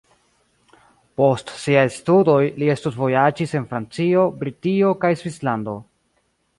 Post siaj studoj li studvojaĝis en Francio, Britio kaj Svislando.